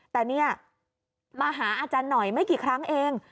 แต่เนี่ยมาหาอาจารย์หน่อยไม่กี่ครั้งเอง